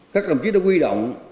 các đồng chí đã quy động